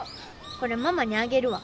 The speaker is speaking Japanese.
これママにあげるわ。